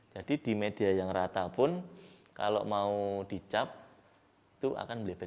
jadi di media yang rata pun kalau mau dicap itu akan berlebihan